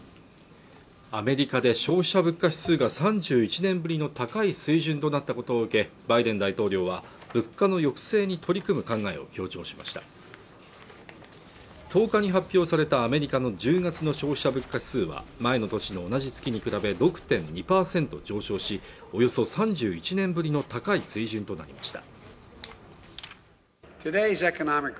アメリカで消費者物価指数が３１年ぶりの高い水準となったことを受けバイデン大統領は物価の抑制に取り組む考えを強調しました１０日に発表されたアメリカの１０月の消費者物価指数は前の年の同じ月に比べ６．２％上昇しおよそ３１年ぶりの高い水準となりました